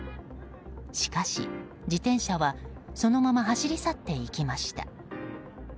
しかし、自転車はそのまま走り去っていきました。